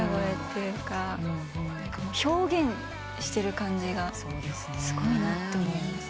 表現してる感じがすごいなって思います。